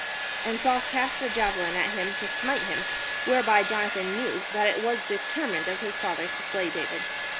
And Saul cast a javelin at him to smite him : whereby Jonathan knew that it was determined of his father to slay David.